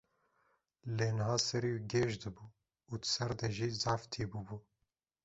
Lê niha serê wî gêj dibû û di ser de jî zehf tî bûbû.